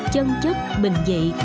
chân chất bình dị